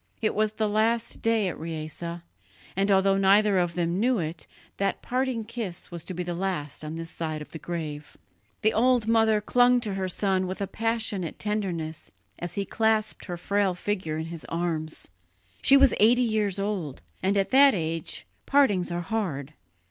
It was the last day at Riese, and although neither of them knew it, that parting kiss was to be the last on this side of the grave. The old mother clung to her son with a passionate tenderness as he clasped her frail figure in his arms. She was eighty years old, and at that age partings are hard.